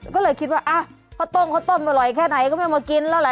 ก็เลยคิดว่าข้าวต้มข้าวต้มอร่อยแค่ไหนก็ไม่มากินแล้วแหละ